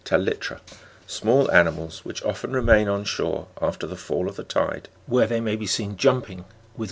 66) small ani mals which often remain on shore after the fall of the tide, where they may be seen jumping with great activity.